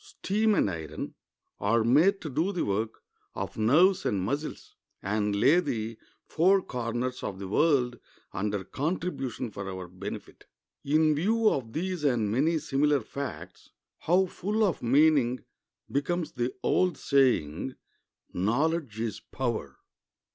Steam and iron are made to do the work of nerves and muscles, and lay the four corners of the world under contribution for our benefit. In view of these and many similar facts, how full of meaning becomes the old saying, "Knowledge is power!"